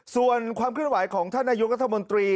ส่วนความเคลื่อนไหวของท่านนายกรัฐมนตรี